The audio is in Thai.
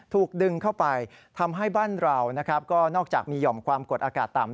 ถูกดึงเข้าไปทำให้บ้านเรานะครับก็นอกจากมีห่อมความกดอากาศต่ำ